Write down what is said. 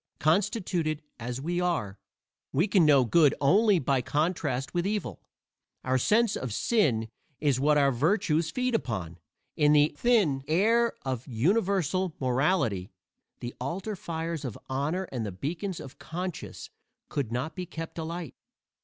Constituted as we are, we can know good only by contrast with evil. Our sense of sin is what our virtues feed upon; in the thin air of universal morality the altar fires of honor and the beacons of conscience could not be kept alight.